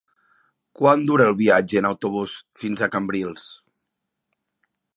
Quant dura el viatge en autobús fins a Cambrils?